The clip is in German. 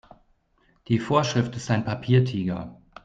Die Vorschrift ist ein Papiertiger.